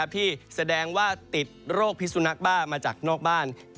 ที่แสดงว่าติดโรคพิสุนักบ้ามาจากนอกบ้าน